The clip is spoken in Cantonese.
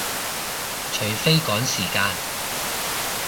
除非趕時間